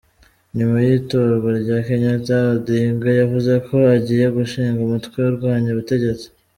Nyuma y’itorwa rya Kenyatta, Odinga yavuze ko agiye gushinga umutwe urwanya ubutegetsi.